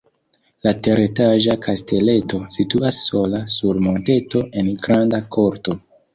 La teretaĝa kasteleto situas sola sur monteto en granda korto.